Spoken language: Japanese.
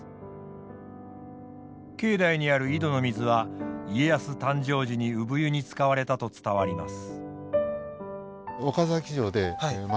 境内にある井戸の水は家康誕生時に産湯に使われたと伝わります。